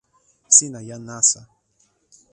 sina jan nasa.